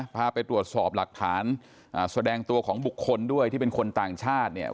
พาไปตรวจสอบหลักฐานแสดงตัวของบุคคลด้วยที่เป็นคนต่างชาติเนี่ย